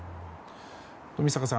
冨坂さん